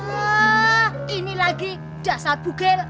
wah ini lagi dasar bugil